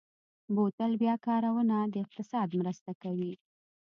بوتل بیا کارونه د اقتصاد مرسته کوي.